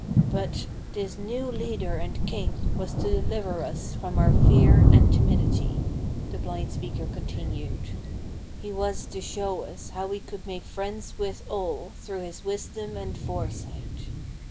"But this new leader and king was to deliver us from our fear and timidity," the blind speaker continued. "He was to show us how we could make friends with all through his wisdom and foresight.